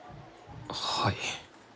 はい。